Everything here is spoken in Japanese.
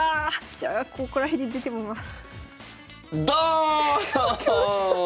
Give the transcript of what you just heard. じゃあここら辺に出てみます。